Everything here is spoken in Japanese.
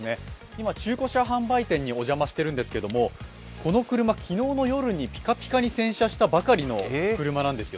今、中古車販売店にお邪魔しているんですけれどもこの車、昨日の夜にピカピカに洗車した中古車です。